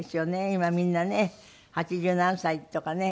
今みんなね八十何歳とかね